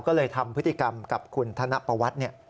ก็เลยทำพฤติกรรมกับคุณทัพปนวัดเนี่ย